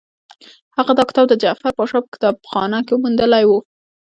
هغه دا کتاب د جعفر پاشا په کتابخانه کې موندلی وو.